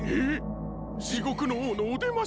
地獄の王のおでましなの？